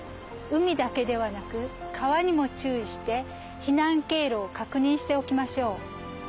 海だけではなく川にも注意して避難経路を確認しておきましょう。